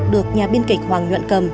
được nhà biên kịch hoàng nhận cầm